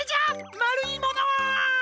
まるいものっ！